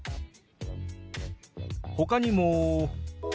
ほかにも。